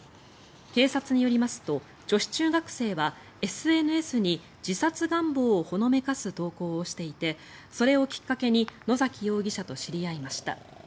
警察によりますと女子中学生はＳＮＳに自殺願望をほのめかす投稿をしていてそれをきっかけに野崎容疑者と知り合いました。